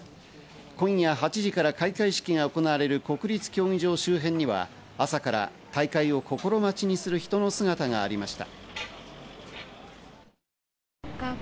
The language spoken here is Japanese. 今夜８時から開会式が行われる国立競技場周辺には朝から大会を心待ちにする人の姿がありました。